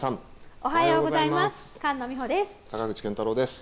おはようございます。